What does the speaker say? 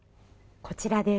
こちらです。